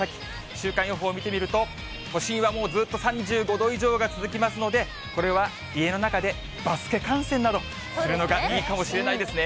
週間予報見てみると、都心はもうずっと３５度以上が続きますので、これは家の中でバスケ観戦などするのがいいかもしれないですね。